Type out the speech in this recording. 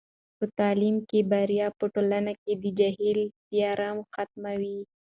په تعلیم کې بریا په ټولنه کې د جهل تیارې ختموي.